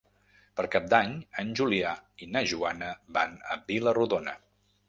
Per Cap d'Any en Julià i na Joana van a Vila-rodona.